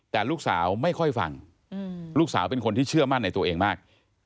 แต่ลูกสาวไม่ค่อยฟังลูกสาวเป็นคนที่เชื่อมั่นในตัวเองมาก